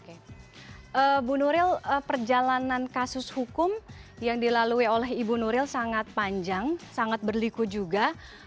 oke ibu nuril perjalanan kasus hukum yang dilalui oleh ibu nuril sangat panjang sangat berliku juga